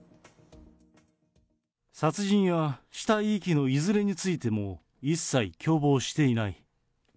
殺人や死体遺棄のいずれについても、一切共謀していない。